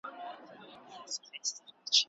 استعمار او یا د مستعمرې په ډول وساتل.